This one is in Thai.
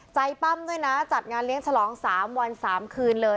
ปั้มด้วยนะจัดงานเลี้ยงฉลอง๓วัน๓คืนเลย